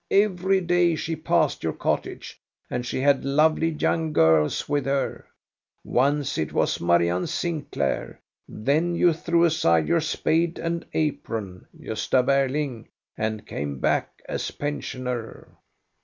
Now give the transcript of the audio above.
Every day she passed your cottage, and she had lovely young girls with her. Once it was Marianne Sinclair ; then you threw aside your spade and apron, Gosta Berling, and came back as pensioner.